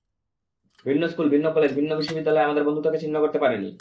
ভিন্ন স্কুল, ভিন্ন কলেজ, ভিন্ন বিশ্ববিদ্যালয় আমাদের বন্ধুত্বকে ছিন্ন করতে পারেনি।